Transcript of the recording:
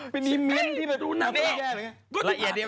เป็นยัยเมียนที่แบบ